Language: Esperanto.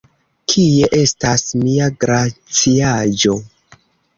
Kie estas mia glaciaĵo?